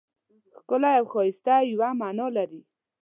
ښکلی او ښایسته یوه مانا لري.